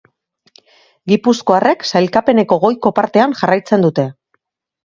Gipuzkoarrek sailkapeneko goiko partean jarraitzen dute.